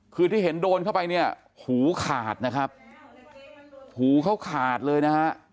คือที่เห็นโดนเข้าไปเนี่ยหูขาดนะครับหูเขาขาดเลยนะฮะ